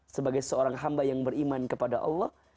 sebagai seorang hamba yang beriman kepada allah